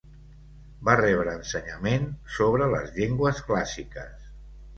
Va rebre ensenyament sobre les llengües clàssiques.